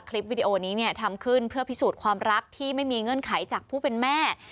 วิดีโอนี้เนี่ยทำขึ้นเพื่อพิสูจน์ความรักที่ไม่มีเงื่อนไขจากผู้เป็นแม่